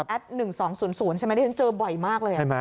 ๑๒๐๐ใช่ไหมที่ฉันเจอบ่อยมากเลย